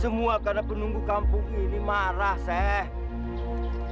semuanya karena penunggu kampung ini marah teng